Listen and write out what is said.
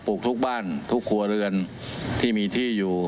ลูกทุกบ้านทุกครัวเรือนที่มีที่อยู่